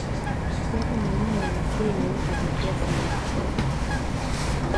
Yapo maneno ya asili na yenye kuvutia sana